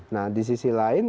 nah di sisi lain